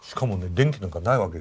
電気なんかないわけでしょ。